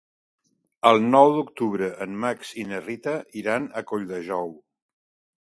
El nou d'octubre en Max i na Rita iran a Colldejou.